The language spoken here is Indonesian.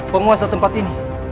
penguasa tempat ini